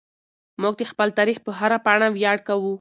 موږ د خپل تاریخ په هره پاڼه ویاړ کوو.